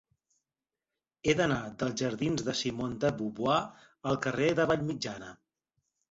He d'anar dels jardins de Simone de Beauvoir al carrer de Vallmitjana.